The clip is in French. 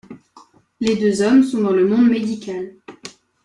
Les deux hommes sont dans le monde médical.